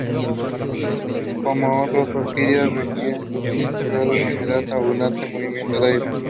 Como otras orquídeas, requieren un cierto grado de humedad y abundante movimiento de aire.